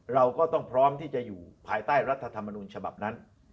เราก็ต้องพร้อมที่จะอยู่ภายใต้รัฐธรรมนุนฉบับนั้น